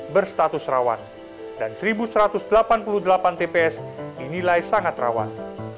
berstatus rawan dan satu satu ratus delapan puluh delapan tps dinilai sangat rawan